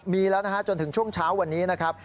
มีแล้วนะฮะจนถึงช่วงเช้าวันนี้นะครับ